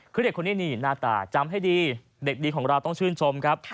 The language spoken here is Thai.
คือเด็กคนนี้นี่หน้าตาจำให้ดีเด็กดีของเราต้องชื่นชมครับ